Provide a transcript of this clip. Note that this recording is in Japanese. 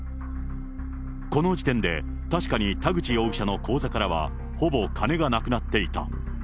この時点で、確かに田口容疑者の口座からはほぼ金がなくなっていた。